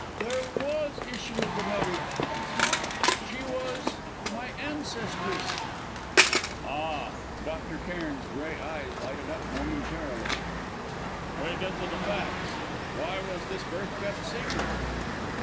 "There was issue of the marriage," he snapped. "She was my ancestress." "Ah!" Dr. Cairn's grey eyes lighted up momentarily. "We get to the facts! Why was this birth kept secret?"